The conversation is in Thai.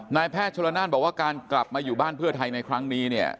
นายแพทย์ชนละนานบอกว่าการกลับมาอยู่บ้านเพื่อไทยในครั้งนี้เนี่ย